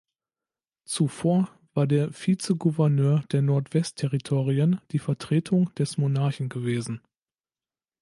Zuvor war der Vizegouverneur der Nordwest-Territorien die Vertretung des Monarchen gewesen.